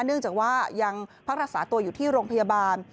เนื่องจากว่ายังพักรักษาตัวอยู่ที่โรงพยาบาล